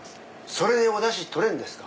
それでおダシ取れるんですか